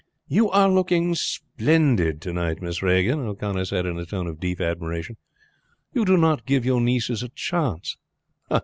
"You are looking splendid to night, Miss Regan," O'Connor said in a tone of deep admiration. "You do not give your nieces a chance."